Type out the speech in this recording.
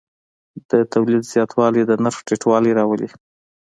د تولید زیاتوالی د نرخ ټیټوالی راولي.